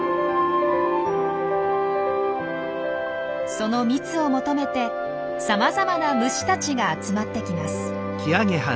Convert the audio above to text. その蜜を求めてさまざまな虫たちが集まってきます。